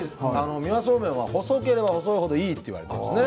三輪そうめんは細ければ細い程いいと言われているんですよね。